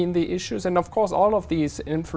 và đó là tất cả